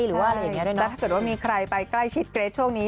หรือว่าอะไรอย่างเงี้ด้วยนะแล้วถ้าเกิดว่ามีใครไปใกล้ชิดเกรทช่วงนี้